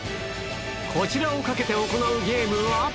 こちらをかけて行うゲームは。